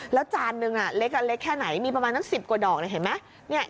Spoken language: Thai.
แล้วจานนึงเล็กแค่ไหนมีประมาณตั้ง๑๐กว่าดอกเห็นไหม